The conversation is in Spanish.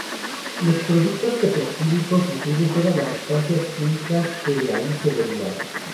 Los productos petroquímicos incluyen todas las sustancias químicas que de ahí se derivan.